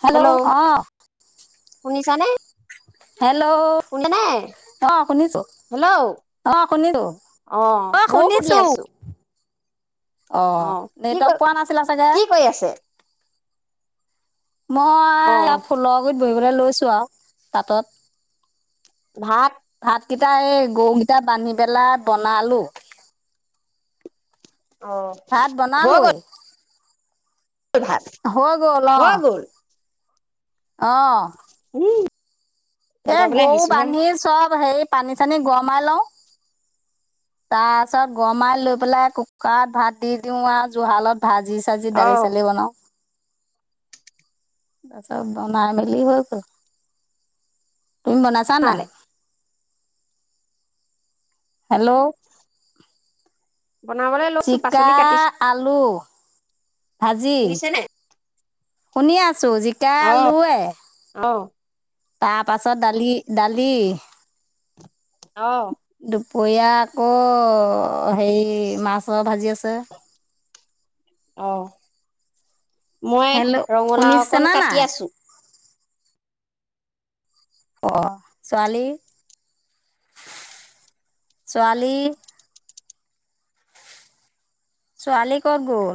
Hello অ শুনিছা নে হেল্ল' অ শুনিছো হেল্ল' অ শুনিছো অ ময়ো শুনি শুনিছো আছো অ কি ক নেটক পোৱা নাছিলে চাগে কি কৰি আছে অ মই ফুলৰ গ বহিবলৈ লৈছো আৰু তাঁতত। ভাত কেইটা এই গৰুকেইটা বান্ধি পেলাই বনালো। অ ভাত হই বনালোৱেই হৈ গল অ। হৈ গ'ল উম। এ বনাবলৈ গৰু আহিছোহে বান্ধি চব হেৰি পানী চানী গৰমাই লওঁ তাৰ পাছত গৰমাই লৈ পেলাই কুকাৰত ভাত দি দিওঁ আৰু জুহালত ভাজি চাজি, অ দালি চালি বনাওঁ। তাৰপাছত বনাই মেলি হৈ গল। তুমি বনাইচা নে বনালে নাই? হেল্ল'। বনাবলৈ লৈছো জিকা, পাচলি কাটিছো আলু ভাজি শুনিছে নে শুনিয়ে আছ চু, জিকা অ আলুয়ে। অ তাৰ পাছত, দালি দালি অ। দুপৰীয়া আকৌ অ হেৰি মাছৰ ভাজি আছে। অ মই হেল্ল' ৰঙালাও অকণ শুনিছেনে কাটি নাই আছো। অ ছোৱালী, ছোৱালী ছোৱালী কত গল?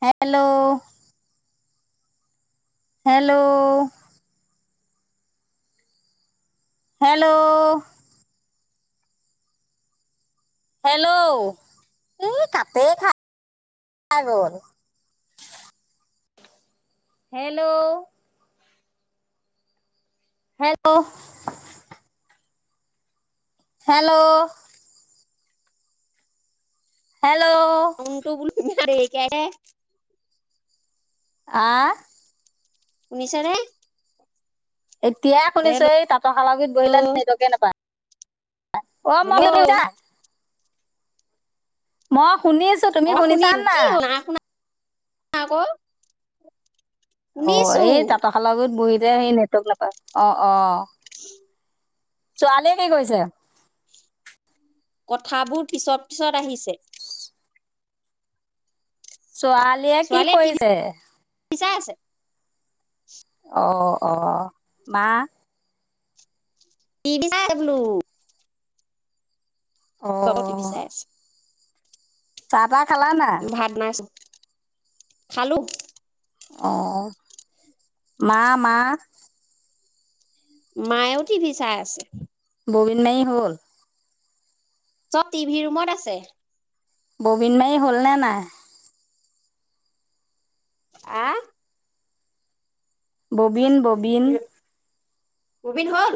হেল্ল'। হেল্ল'? হেল্ল'? হেল্ল', এই কাতে খাই গল। হেল্ল'? হেল্ল'? হেল্ল'? হেল বু [unintelligible] কে আহ। শুনিচানে? এতিয়াই শুনিছো এই তাঁতৰশাল গীত বহিলে নেটৱৰ্কে নাপায়। অ মই হেল্ল' শুনিছো ম শুনিছো তুমি শুনিছা নাই না ক' অ এই তাতৰ খাল আগত বহি যে সেই নেটৱৰ্ক নাপাই অ অ উ ছোৱালীয়ে কি কৰিছে কথাবোৰ পিছত পিছত আহিছে ছোৱালীয়ে কি ছোৱালীয়ে টিভি কৰিছে চাই আছে অ অ মা টিভি চাই বোলো অ যাবত বিচাই আছ তাৰপা খালানা ভাত বনাইছো খালো অ মা মা মায়েও টিভি চাই আছে ববিন মাৱি হ'ল চব টিভি ৰুমত আছে ববিন মাৰি হ'ল নে নাই আহ ববিন ববিন ববিন হল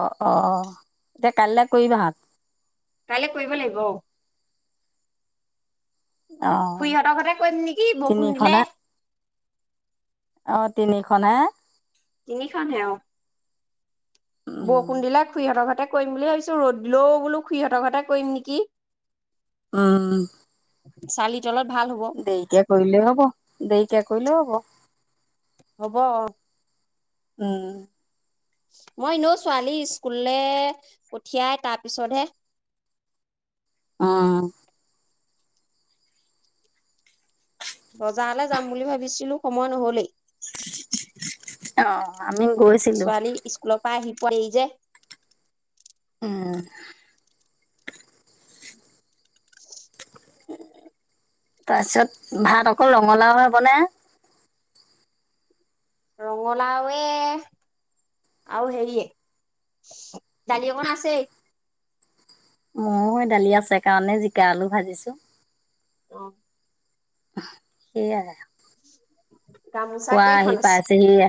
অ অ অ এতিয়া কাইলৈ কৰিবা হা কাইলে কৰিব লাগিব অ অ খুৰীহঁতৰ ঘতে কৱিম নেকি বষুণ দিলে তিনিখনে অ তিনিখন হে তিনিখন হে অ উম বৰষুণ দিলে খুৰীহঁতৰ ঘতে কৰিম বুলি ভাবিছো ৰ'দ দিলেও বোলো খুুৰীহঁতৰ ঘতে কৰিম নেকি উম চালি তলত ভাল হ'ব দেৱিকে কৰিলেও হ'ব দেৱিকে কৰিলেও হব হ'ব অ উম মই এনেও ছোৱালী স্কুললৈ পঠিয়াই তাৰপিছতহে, অ বজাৰলৈ যাম বুলি ভাবিছিলো সময় নহলেই। অহ। আমি গৈছিলো। পোৱাইযে, উম তাৰপিছত ভাত অকল ৰঙালাও হয় বনাই। ৰঙালাওয়ে আৰু হেৰি দালি অকন আছেই। ময়ো দালি আছে কাৰণে জিকা আলু ভাজিছো। অ সেইয়াই। গামোচা খোৱা আহি কেইখন আছে পাইছেহিহে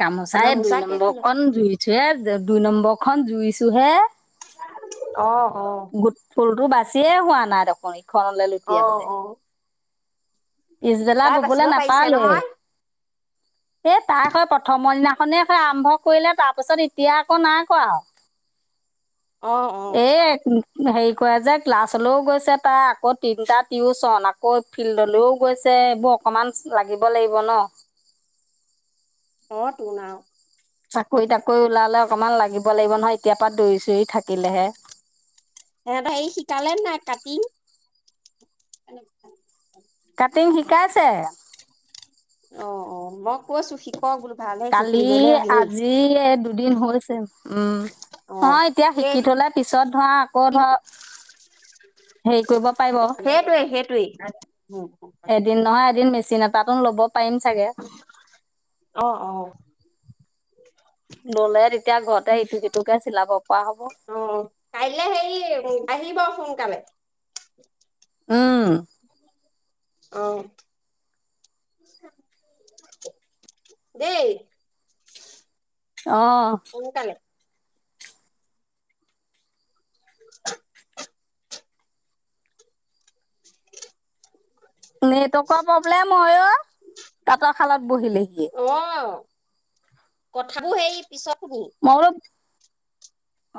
গামোচাই দুই গামোচা কেইখন আছে নম্বৰখন ধুইছোয়ে দুই নম্বৰ খন। জুইছো হে। আহ আহ ফুলতো বাচিয়ে হোৱা নাই দেখোন। খলৈ অ লুটিয়াবলে। অ পিছবেলা তাই ববলে বাচিব পাৰিছে নাপালোয়ে। নহয় এই তাই হয় প্ৰথমৰ দিনাখনে হয় আৰম্ভ কৰিলে তাৰ পিছত এতিয়া আকৌ নাই কোৱা। অ অ হেৰি কৰে যে ক্লাছলৈও গৈছে তাই। আকৌ তিনটা টিউচন আকৌ ফিল্ডলৈও, গৈছে এইবোৰ অকমান লাগিব লাগিব ন, অ তোন‌ আও। চাকৰি তাকৰি ওলালে অকমান লাগিব লাগিব নহয় এতিয়াৰ পৰা দৌৰি চৰি থাকিলেহে। সিহঁতে হেই শিকালে নাই কাটিং? কাটিং শিকাইছে। অ অ মই কৈছো শিক কালি আজি দু দিন হৈছে। উম অ নহয় এতিয়া সেই শিকি থলে পিছত ধৰা আকৌ ধৰ, হেৰি কৰিব পাৰিব সেইটোৱে সেইটোৱেই। এদিন নহয় মেচিন এটাতন ল'ব। পাৰিম চাগে। উম [inaudible] ল'লে তেতিয়া ঘৰতে ইটুসিটোকে চিলাব পৰা হ'ব। অ কাইলৈ হেৰি আহিব সোনকালে। উম আহ দেই। আহ। সোনকালে [unintelligible] নেটৱৰ্কৰ প্ৰব্লেম হয় অ তাঁতৰ খালত বহিলেহিয়? অ কথাবোৰ সেই। পিছত আকৈ বহিম। মই বোলো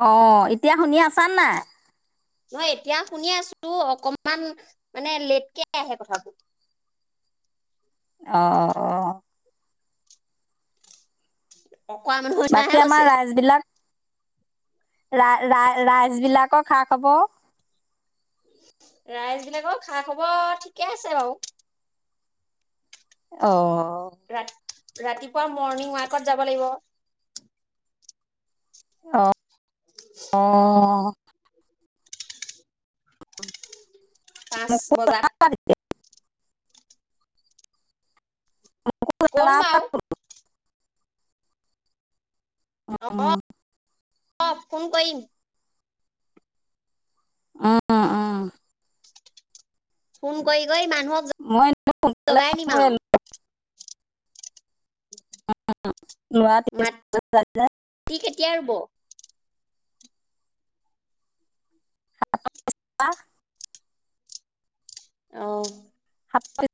অ এতিয়া শুনি আছা নাই। মই এতিয়া শুনি আছো অকমান মানে লেটকে আহে কথাতো। অ অ উ বাকী আমাৰ ৰাইজ বিলাক। ৰা ৰা ৰাইচ বিলাকো খা খবৰ। ৰাইজ বিলাকৰ খা খবৰ ঠিকে আছে বাৰু। অ ৰাতি। মৰ্ণিং ৱাকত যাব লাগিব। [unintelligible] অ অহ অহ। পাঁচ বজাত। কম বাৰু [inaudible] অ উম অ ফোন কৰিম। আহ আহ ফোন কৈ কৈ মাত। মই লগাই নিমা আই। উ ল'ৰা টো মাটি ইচকোল জাব যে। কেতিয়া ৰুব [inaudible] আহ াত পি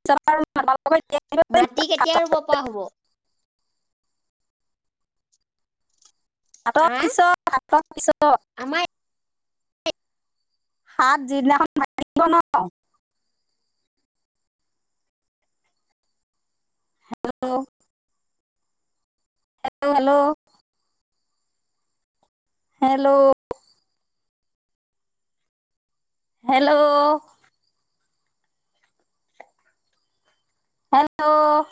[inaudible] মাটি কেতিয়া ৰুব পৰা হ'ব। অলপ আহ পিছত আহাৰৰ পিছত। আমাৰ হাত যিদিনাখন ভাঙিব নহয়। হেল্ল' হ হেল্ল' হেল্ল'। হেল্ল'। হেল্ল'।